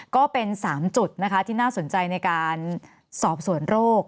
ก็เป็น๓จุดนะคะที่น่าสนใจในการสอบสวนโรค